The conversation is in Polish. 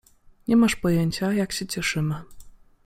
— Nie masz pojęcia, jak się cieszymy.